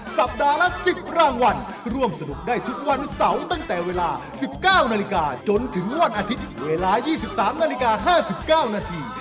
สัปดาห์ละ๑๐รางวัลร่วมสนุกได้ทุกวันเสาร์ตั้งแต่เวลา๑๙นาฬิกาจนถึงวันอาทิตย์เวลา๒๓นาฬิกา๕๙นาที